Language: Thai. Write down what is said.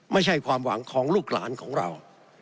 ไม่ใช่ความหวังของลูกหลานของเรา